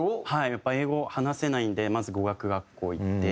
やっぱ英語話せないのでまず語学学校行って。